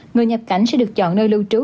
người nhập cảnh sẽ được chọn nơi lưu trú